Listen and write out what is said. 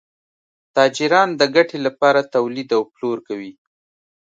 تاجران د ګټې لپاره تولید او پلور کوي.